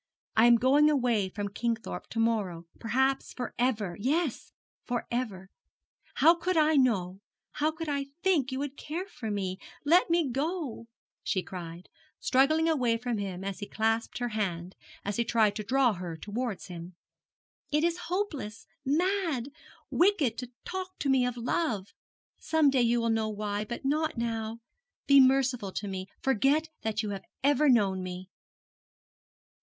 I am going away from Kingthorpe to morrow, perhaps for ever. Yes, for ever. How could I know, how could I think you would care for me? Let me go!' she cried, struggling away from him as he clasped her hand, as he tried to draw her towards him. 'It is hopeless, mad, wicked to talk to me of love: some day you will know why, but not now. Be merciful to me; forget that you have ever known me.'